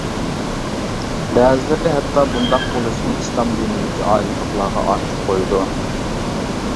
بەزىلىرى ھەتتا بۇنداق بولۇشىنى ئىسلام دىنىدىكى ئاجىزلىقلارغا ئارتىپ قويىدۇ.